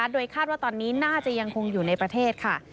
โดยคาดว่าตอนนี้น่าจะยังคงอยู่ในประเทศค่ะ